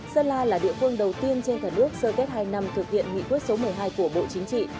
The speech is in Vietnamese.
sơn la là địa phương đầu tiên trên cả nước sơ kết hai năm thực hiện nghị quyết số một mươi hai của bộ chính trị